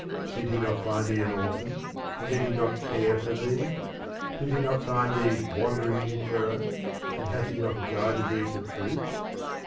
Did he not find thee an orphan, and did he not care for thee? Did he not find thee wandering in error, and hath he not guided thee to truth?